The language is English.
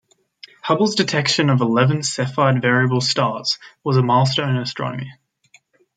Hubble's detection of eleven Cepheid variable stars was a milestone in astronomy.